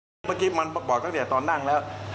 คือเมื่อกี้มันบอกตั้งแต่ตอนนั่งแล้ว